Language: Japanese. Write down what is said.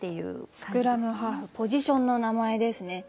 「スクラムハーフ」ポジションの名前ですね。